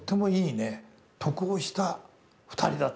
得をした２人だ。